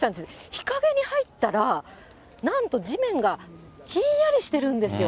日陰に入ったら、なんと地面がひんやりしてるんですよ。